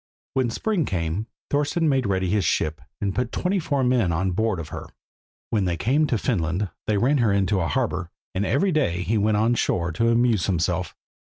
When spring came Thorston made ready his ship and put twenty four men on board of her. When they came to Finland they ran her into a harbour, and every day he went on shore to amuse himself.